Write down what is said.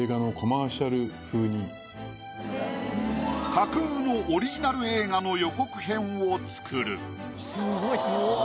架空のオリジナル映画の予告編を作る。